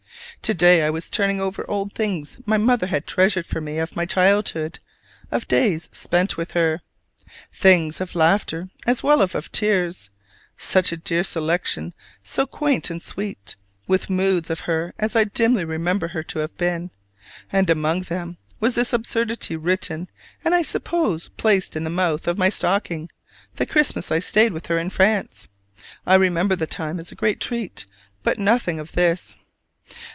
To day I was turning over old things my mother had treasured for me of my childhood of days spent with her: things of laughter as well as of tears; such a dear selection, so quaint and sweet, with moods of her as I dimly remember her to have been. And among them was this absurdity, written, and I suppose placed in the mouth of my stocking, the Christmas I stayed with her in France. I remember the time as a great treat, but nothing of this.